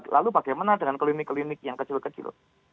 lalu bagaimana dengan klinik klinik yang kecil kecil